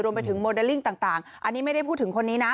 โมเดลลิ่งต่างอันนี้ไม่ได้พูดถึงคนนี้นะ